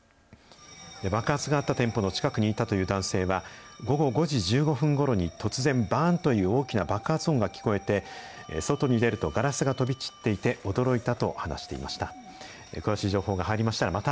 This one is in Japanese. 爆発があった店舗の近くにいたという男性は、午後５時１５分ごろに、突然、ばーんという爆発音が聞こえて、外に出ると、ガラスが飛び散っていて、驚いたと話していました。